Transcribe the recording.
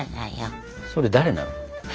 それ誰なの？